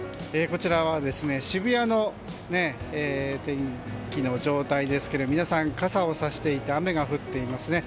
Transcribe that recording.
渋谷の天気の状態ですけど皆さん、傘をさしていて雨が降っていますね。